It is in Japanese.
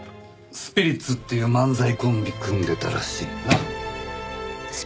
スピリッツっていう漫才コンビ組んでたらしいな。